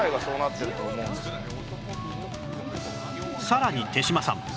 さらに手島さん